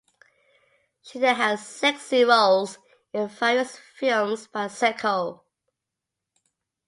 She then had sexy roles in various films by Seiko.